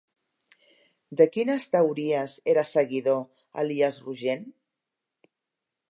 De quines teories era seguidor Elies Rogent?